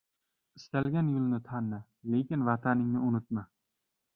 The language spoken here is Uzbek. • Istalgan yo‘lni tanla, lekin Vataningni unutma.